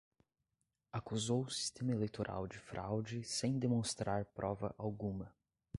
Acusou o sistema eleitoral de fraude sem demonstrar prova alguma